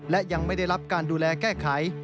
และยังไม่ได้รับการดูแลแก้ไข